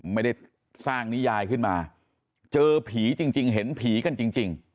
ไม่ได้สร้างนิยายขึ้นมาเจอผีจริงเห็นผีกันจริง